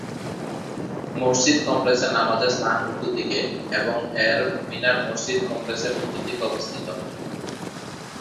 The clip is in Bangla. মসজিদ কমপ্লেক্সের নামাজের স্থান উত্তর দিকে এবং এর মিনারটি মসজিদ কমপ্লেক্সের পশ্চিম দিকে অবস্থিত।